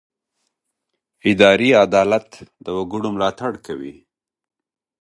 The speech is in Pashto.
اداري عدالت د وګړو ملاتړ کوي.